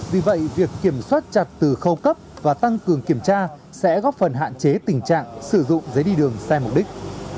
vì vậy việc kiểm soát chặt từ khâu cấp và tăng cường kiểm tra sẽ góp phần hạn chế tình trạng sử dụng giấy đi đường sai mục đích